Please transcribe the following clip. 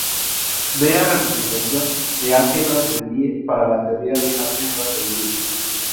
Vea representación de álgebras de Lie para la teoría de álgebras de Lie.